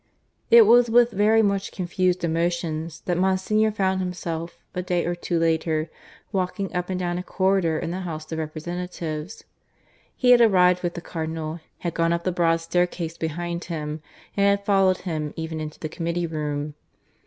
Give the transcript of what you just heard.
It was with very much confused emotions that Monsignor found himself, a day or two later, walking up and down a corridor in the House of Representatives. He had arrived with the Cardinal, had gone up the broad staircase behind him, and had followed him even into the committee room.